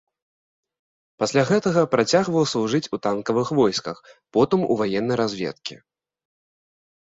Пасля гэтага працягваў служыць у танкавых войсках, потым у ваеннай разведкі.